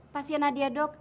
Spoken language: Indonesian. pasien nadia dok